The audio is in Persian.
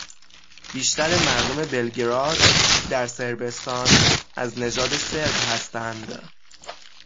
بیشتر مردم بلگراد در صربستان از نژاد صرب هستند